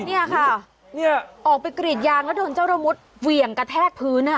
เนี่ยค่ะเนี่ยออกไปกรีดยางแล้วโดนเจ้าระมุดเหวี่ยงกระแทกพื้นอ่ะ